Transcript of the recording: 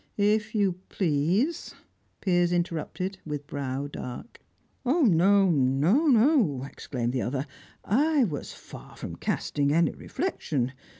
"If you please," Piers interrupted, with brow dark. "No, no, no!" exclaimed the other. "I was far from casting any reflection.